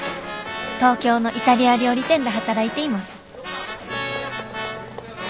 東京のイタリア料理店で働いています